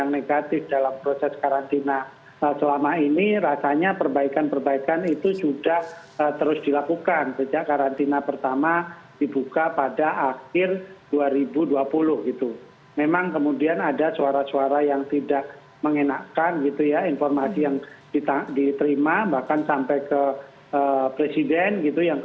mereka diminta setiap warga yang masuk ya